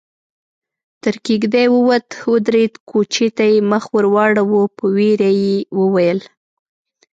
تر کېږدۍ ووت، ودرېد، کوچي ته يې مخ ور واړاوه، په وېره يې وويل: